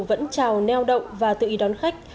vẫn trào neo đậu và tự y đón khách